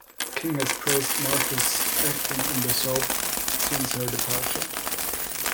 King has praised Marsh's acting in the soap since her departure.